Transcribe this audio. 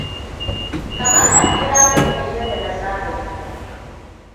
Kamar hange na bai kai yadda na saba yi ba.